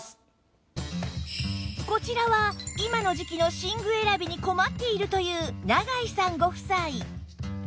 こちらは今の時季の寝具選びに困っているという永井さんご夫妻